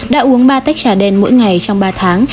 đã uống ba tách trà đen mỗi ngày trong ba tháng